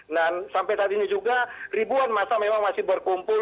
dan sampai saat ini juga ribuan massa memang masih berkumpul